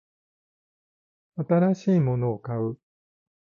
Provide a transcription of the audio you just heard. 新しいものを買う